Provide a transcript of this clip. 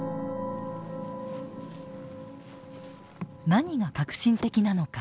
何が革新的なのか。